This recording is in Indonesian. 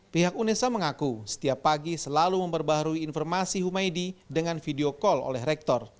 pihak unesa mengaku setiap pagi selalu memperbaharui informasi humaydi dengan video call oleh rektor